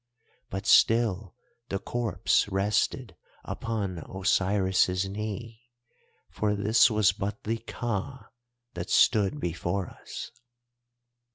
But still the corpse rested upon Osiris' knee, for this was but the Ka that stood before us.